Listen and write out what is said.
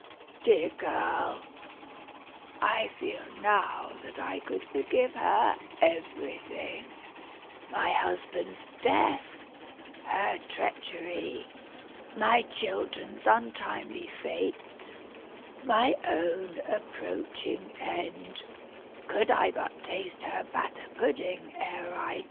Dear girl! I feel now that I could forgive her everything my husband's death her treachery my children's untimely fate my own approaching end could I but taste her batter pudding ere I die!"